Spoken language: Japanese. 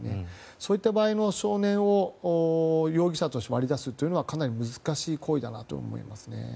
そういった場合、少年を容疑者として割り出すというのはかなり難しい行為だなと思いますね。